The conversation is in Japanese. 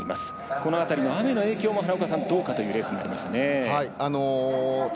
この辺りの雨の影響もどうかというレースになりました。